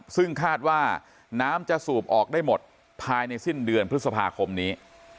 ซึ่งคาดว่าน้ำจะสูบออกได้หมดภายในสิ้นเดือนพฤษภาคมนี้